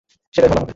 সেটাই ভালো হবে।